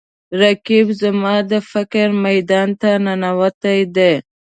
رقیب زما د فکر میدان ته ننوتی دی